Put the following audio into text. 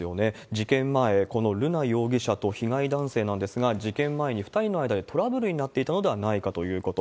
事件前、この瑠奈容疑者と被害男性なんですが、事件前に２人の間でトラブルになっていたのではないかということ。